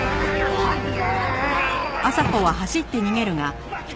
待て！